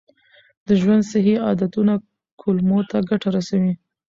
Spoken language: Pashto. د ژوند صحي عادتونه کولمو ته ګټه رسوي.